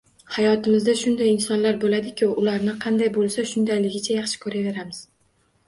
Hayotimizda shunday insonlar bo`ladiki, ularni qanday bo`lsa, shundayligicha yaxshi ko`raveramiz